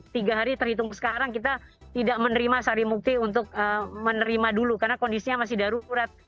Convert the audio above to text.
tiga hari terhitung sekarang kita tidak menerima sari mukti untuk menerima dulu karena kondisinya masih darurat